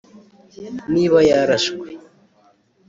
Niba yarashwe